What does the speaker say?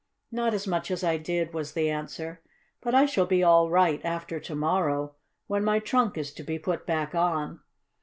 "Not as much as I did," was the answer. "But I shall be all right after to morrow, when my trunk is to be put back on.